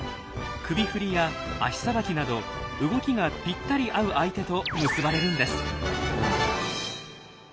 首振りや足さばきなど動きがぴったり合う相手と結ばれるんです。